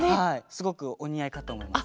すごくおにあいかとおもいます。